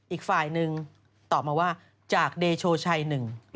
อีกฝ่ายหนึ่งตอบมาว่าจากเดโชชัยหนึ่ง